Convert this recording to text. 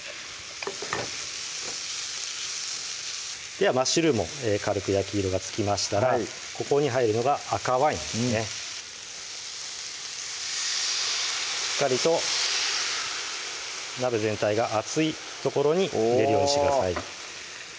ではマッシュルームも軽く焼き色がつきましたらここに入るのが赤ワインですねしっかりと鍋全体が熱いところに入れるようにしてください